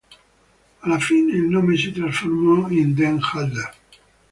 Alla fine il nome si trasformò in "Den Helder".